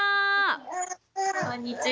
こんにちは！